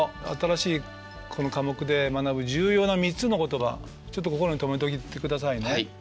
新しいこの科目で学ぶ重要な３つの言葉ちょっと心に留めておいてくださいね。